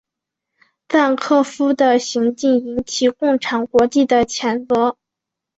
赞科夫的行径引起共产国际的谴责。